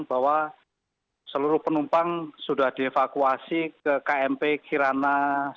bahwa seluruh penumpang sudah dievakuasi ke kmp kirana